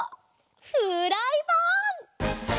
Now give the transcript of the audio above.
フライパン！